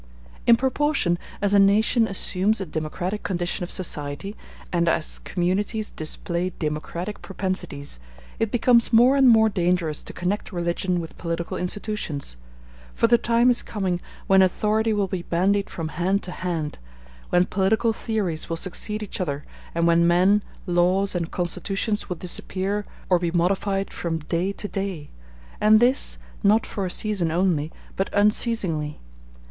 In proportion as a nation assumes a democratic condition of society, and as communities display democratic propensities, it becomes more and more dangerous to connect religion with political institutions; for the time is coming when authority will be bandied from hand to hand, when political theories will succeed each other, and when men, laws, and constitutions will disappear, or be modified from day to day, and this, not for a season only, but unceasingly.